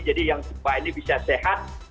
jadi yang supaya ini bisa sehat